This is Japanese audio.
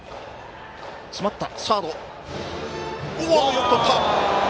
よくとった。